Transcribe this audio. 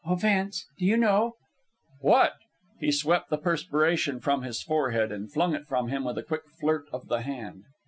"Oh, Vance, do you know ..." "What?" He swept the perspiration from his forehead and flung it from him with a quick flirt of the hand.